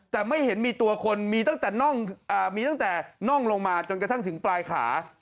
แต่ไม่เห็นมีตัวคนมีตั้งแต่มีตั้งแต่น่องลงมาจนกระทั่งถึงปลายขา